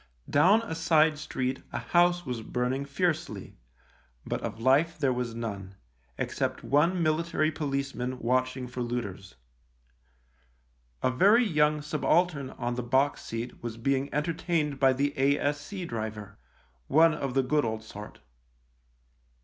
Down a side street a house was burning fiercely, but of life there was none, except one military policeman watching for looters. 20 THE LIEUTENANT A very young subaltern on the box seat was being entertained by the A.S.C. driver — one of the good old sort.